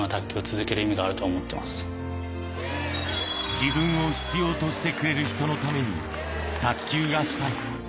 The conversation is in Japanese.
自分を必要としてくれる人のために卓球がしたい。